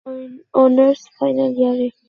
আমি honours final ইয়ারে।